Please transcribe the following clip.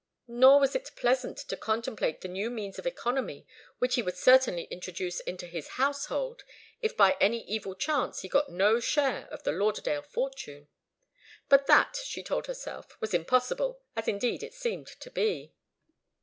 Nor was it pleasant to contemplate the new means of economy which he would certainly introduce into his household if by any evil chance he got no share of the Lauderdale fortune. But that, she told herself, was impossible, as indeed it seemed to be.